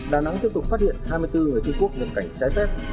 đà nẵng tiếp tục phát hiện hai mươi bốn người trung quốc nhập cảnh trái phép